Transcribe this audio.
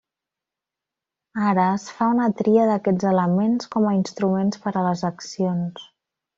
Ara es fa una tria d’aquests elements com a instruments per a les accions.